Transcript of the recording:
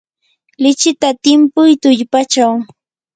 lichita timpuy tullpachaw.